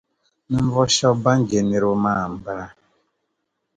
Ninvuɣu shεba ban je niriba maa n bala.